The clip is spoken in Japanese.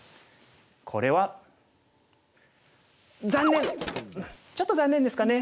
これはちょっと残念ですかね。